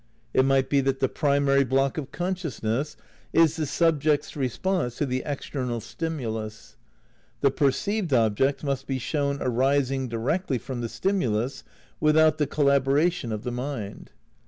It might be that the primary block of consciousness is the subject's response to the ex ternal stimulus. The perceived object must be shown arising directly from the stimulus without the collab oration of the mind.